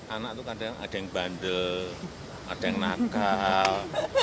anak itu kadang ada yang bandel ada yang nakal